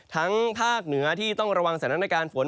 ภาคเหนือที่ต้องระวังสถานการณ์ฝน